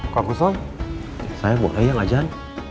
pak kusol saya boleh yang ajah